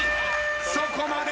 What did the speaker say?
そこまで！